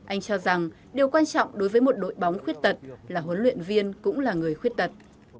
anh cho rằng điều quan trọng đối với một đội bóng khuyết tật là huấn luyện viên cũng là người khuyết tật